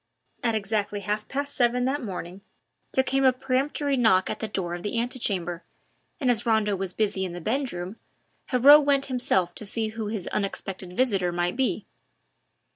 At exactly half past seven that morning there came a peremptory knock at the door of the antichambre, and as Rondeau was busy in the bedroom, Heriot went himself to see who his unexpected visitor might be.